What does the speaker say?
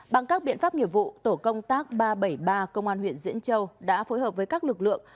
bằng các biện pháp nghiệp vụ tổ công tác ba trăm bảy mươi ba công an huyện diễn châu đã phối hợp với các lực lượng